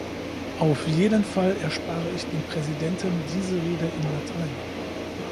Auf jeden Fall erspare ich dem Präsidenten diese Rede in Latein!